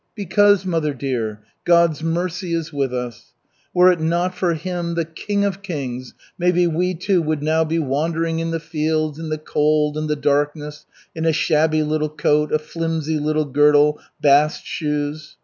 Because, mother dear, God's mercy is with us. Were it not for Him, the King of Kings, maybe we, too, would now be wandering in the fields, in the cold and the darkness, in a shabby little coat, a flimsy little girdle, bast shoes."